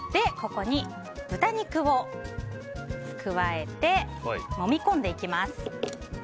ここに豚肉を加えてもみ込んでいきます。